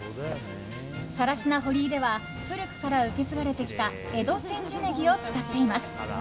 更科堀井では古くから受け継がれてきた江戸千住ネギを使っています。